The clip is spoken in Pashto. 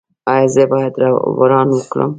ایا زه باید وران کړم؟